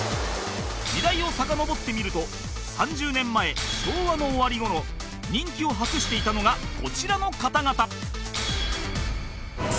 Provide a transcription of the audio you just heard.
時代をさかのぼってみると３０年前昭和の終わり頃人気を博していたのがこちらの方々